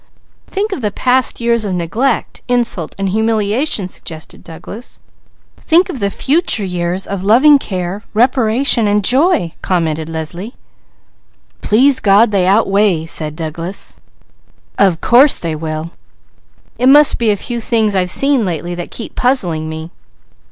"Think of the past years of neglect, insult and humiliation!" suggested Douglas. "Think of the future years of loving care, reparation and joy!" commented Leslie. "Please God they outweigh!" said Douglas. "Of course they will! It must be a few things I've seen lately that keep puzzling me."